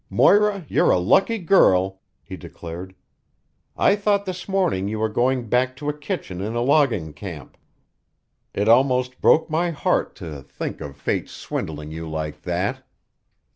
"Moira, you're a lucky girl," he declared. "I thought this morning you were going back to a kitchen in a logging camp. It almost broke my heart to think of fate's swindling you like that."